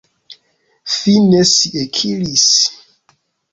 Fine si ekiris.